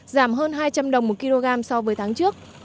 giảm hơn hai trăm linh đồng một kg so với tháng trước